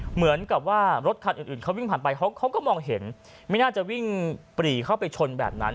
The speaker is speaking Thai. เหมือนกับว่ารถคันอื่นเขาวิ่งผ่านไปเขาก็มองเห็นไม่น่าจะวิ่งปรีเข้าไปชนแบบนั้น